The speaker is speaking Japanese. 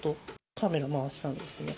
カメラ回したんですね。